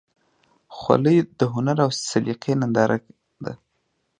خولۍ د هنر او سلیقې ننداره ده.